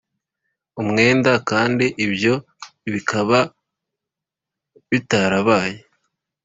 Umwenda kandi ibyo bikaba bitarabaye